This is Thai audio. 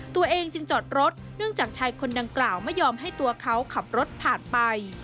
ตัวเองจึงจอดรถเนื่องจากชายคนดังกล่าวไม่ยอมให้ตัวเขาขับรถผ่านไป